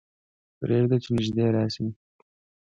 پرېږده چې نږدې راشي.